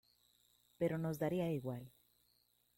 Pero nos daría igual.